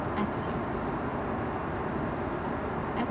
AXIOMS. AX.